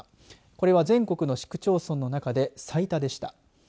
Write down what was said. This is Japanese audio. これは全国の市区町村の中で最多でした。